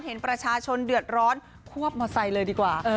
เห็นประชาชนเดือดร้อนควบมอไซค์เลยดีกว่า